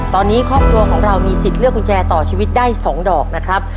ตอนนี้ครอบครัวของเรามีสิทธิ์เลือกกุญแจต่อชีวิตได้๒ดอกนะครับ